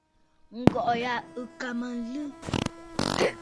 Ǹgɔ̀ʼɔ̀ ya ɨ̀ kà mə aa nlɨ.